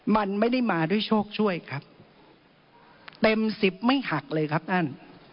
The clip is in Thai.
มันไม่ได้มาด้วยโชคช่วยครับเต็มสิบไม่หักเลยครับท่าน